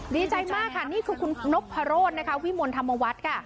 ดีใจมากค่ะนี่คือคุณนพรสนะคะวิมลธรรมวัฒน์ค่ะ